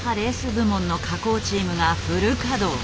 部門の加工チームがフル稼働。